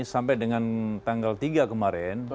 sampai dengan tanggal tiga kemarin